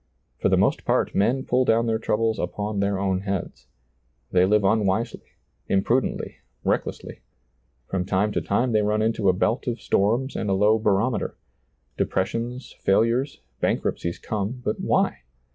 For the most part men pull down their troubles upon their own heads. They live unwisely, imprudently, reck lessly. From time to time they run into a belt of storms and a low barometer ; depressions, fail ures, bankruptcies come ; but why